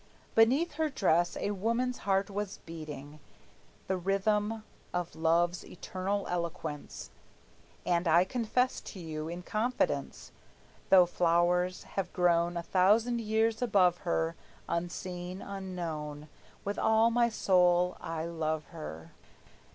Beneath her dress a woman's heart was beating The rhythm of love's eternal eloquence, And I confess to you, in confidence, Though flowers have grown a thousand years above her, Unseen, unknown, with all my soul I love her.